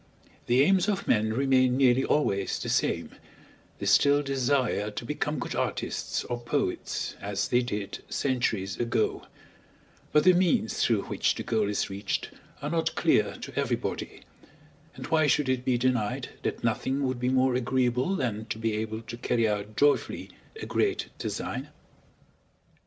The aims of men remain nearly always the same: they still desire to become good artists or poets as they did centuries ago; but the means through which the goal is reached are not clear to everybody, and why should it be denied that nothing would be more agreeable than to be able to carry out joyfully a great design?